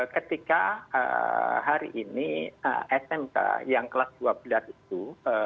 ketika hari ini smk yang kelas dua belas itu